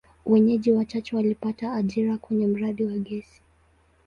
Wenyeji wachache walipata ajira kwenye mradi wa gesi.